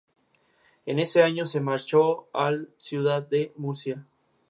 El Se se descompone al emitir una partícula beta sin radiación gamma asociada.